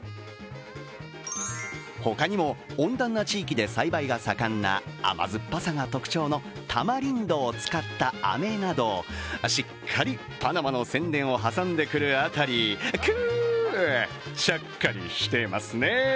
他にも温暖な地域で栽培が盛んな甘酸っぱさが特徴のタマリンドを使ったあめなど、しっかりパナマの宣伝を挟んでくるあたり、くぅ、ちゃっかりしてますね。